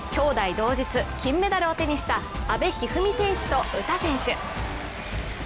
同日、金メダルを獲得した阿部一二三選手と詩選手。